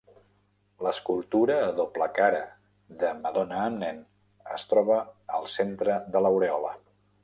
L'escultura a doble cara de Madonna amb nen es troba al centre de l'aureola.